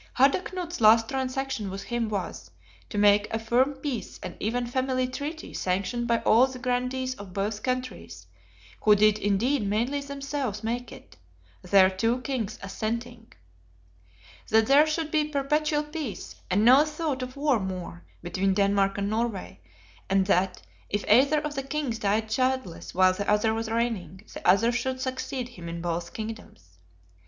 Harda Knut's last transaction with him was, To make a firm Peace and even Family treaty sanctioned by all the grandees of both countries, who did indeed mainly themselves make it; their two Kings assenting: That there should be perpetual Peace, and no thought of war more, between Denmark and Norway; and that, if either of the Kings died childless while the other was reigning, the other should succeed him in both Kingdoms.